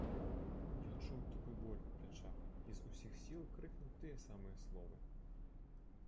Ён чуў тупы боль у плячах і з усіх сіл крыкнуў тыя самыя словы.